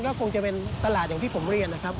ก็คงจะเป็นตลาดอย่างที่ผมเรียนนะครับ